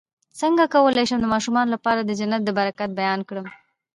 څنګه کولی شم د ماشومانو لپاره د جنت د برکت بیان کړم